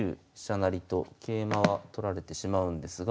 成と桂馬は取られてしまうんですが。